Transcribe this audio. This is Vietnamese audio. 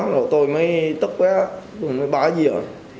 hồi tôi mới tức quá tôi mới bá dìu